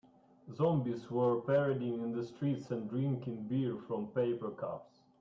Zombies were parading in the streets and drinking beer from paper cups.